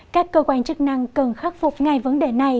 các cơ quan chức năng cần khắc phục ngay vấn đề này